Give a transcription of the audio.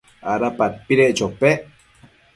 ¿ada padpedec chopec?